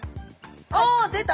あ出た！